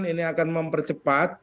ini akan mempercepat